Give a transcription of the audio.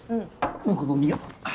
僕も見よう。